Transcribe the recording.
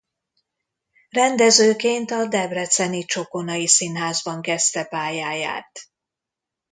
Rendezőként a debreceni Csokonai Színházban kezdte pályáját.